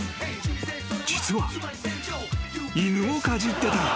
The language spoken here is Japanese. ［犬をかじってた。